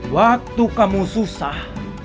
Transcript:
waktu kamu susah